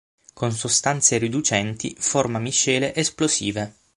Con sostanze riducenti forma miscele esplosive.